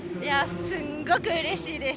すごく嬉しいです。